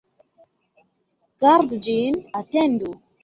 Gardu ĝin, atendu!